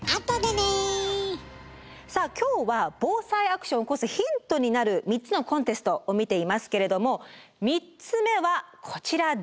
さあ今日は「ＢＯＳＡＩアクション」を起こすヒントになる３つのコンテストを見ていますけれども３つ目はこちらです。